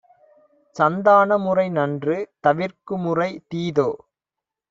சந்தான முறைநன்று; தவிர்க்குமுறை தீதோ?